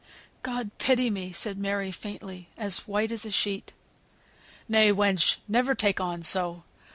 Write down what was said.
"God pity me!" said Mary, faintly, as white as a sheet. "Nay, wench, never take on so.